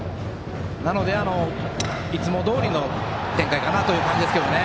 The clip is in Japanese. なので、いつもどおりの展開かなという感じですけどね。